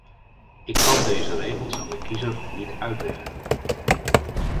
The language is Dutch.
Ik kan deze regels aan de kiezer niet uitleggen.